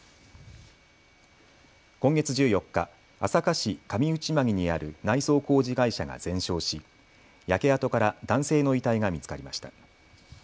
今月１４日、朝霞市上内間木にある内装工事会社が全焼し焼け跡から男性の遺体が見つかりました。